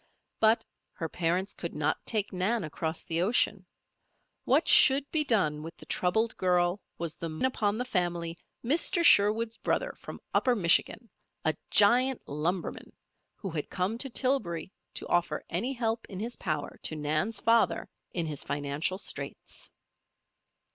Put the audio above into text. But her parents could not take Nan across the ocean. What should be done with the troubled girl was the much mooted question, when there burst in upon the family Mr. Sherwood's brother from Upper Michigan, a giant lumberman, who had come to Tillbury to offer any help in his power to Nan's father in his financial straits.